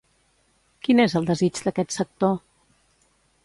Quin és el desig d'aquest sector?